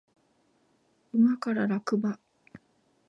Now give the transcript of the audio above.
馬から落馬